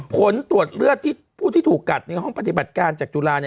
ผลตรวจเลือดที่ผู้ที่ถูกกัดในห้องปฏิบัติการจากจุฬา